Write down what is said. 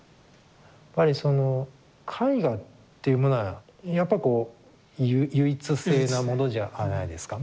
やっぱりその絵画っていうものはやっぱこう唯一性なものじゃないですか。